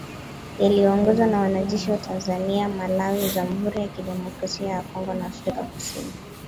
yaliyoongozwa na wanajeshi wa Tanzania, Malawi, jamuhuri ya kidemokrasia ya Kongo na Afrika kusini